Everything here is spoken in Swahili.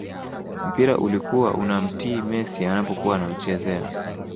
mpira ulikuwa unamtii messi anapokuwa anauchezea